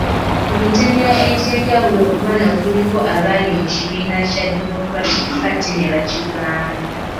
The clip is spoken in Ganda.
Ku mitendera egy'enjawulo, ku bano kuliko abaali mu kibiina kya Democratic Party ne bakivaamu.